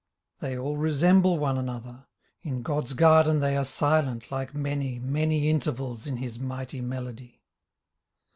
They all resemble one another. In God's garden they are silent Like many, many intervals In His mighty melody.